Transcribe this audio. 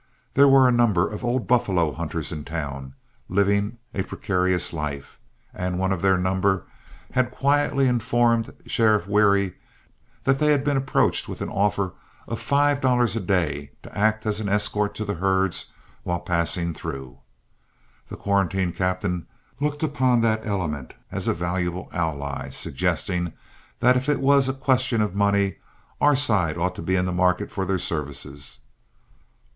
There were a number of old buffalo hunters in town, living a precarious life, and one of their number had quietly informed Sheriff Wherry that they had been approached with an offer of five dollars a day to act as an escort to the herds while passing through. The quarantine captain looked upon that element as a valuable ally, suggesting that if it was a question of money, our side ought to be in the market for their services.